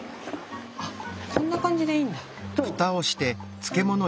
あこんな感じでいいんだ。